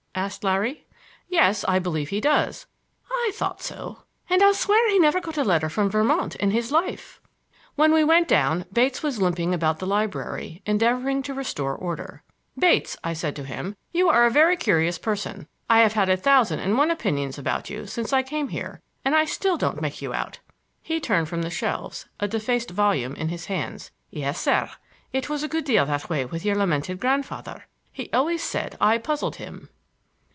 asked Larry. "Yes, I believe he does." "I thought so; and I'll swear he never got a letter from Vermont in his life." When we went down Bates was limping about the library, endeavoring to restore order. "Bates," I said to him, "you are a very curious person. I have had a thousand and one opinions about you since I came here, and I still don't make you out." He turned from the shelves, a defaced volume in his hands. "Yes, sir. It was a good deal that way with your lamented grandfather. He always said I puzzled him."